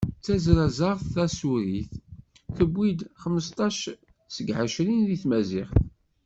D tazrazaɣt tasurit, tewwi-d xmesṭac seg ɛecrin deg tmaziɣt.